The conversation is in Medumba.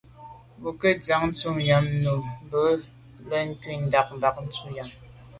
Bo ke ntsian dù’ ze nyam num ntum bwe nkebnjù l’a ndù bag ntum nyam.